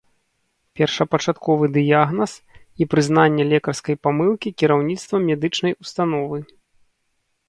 Першапачатковы дыягназ і прызнанне лекарскай памылкі кіраўніцтвам медычнай установы.